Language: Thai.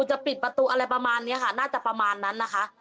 จะปิดประตูอะไรประมาณนี้ค่ะน่าจะประมาณนั้นนะคะ